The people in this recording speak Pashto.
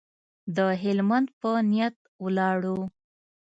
د هلمند په نیت ولاړو.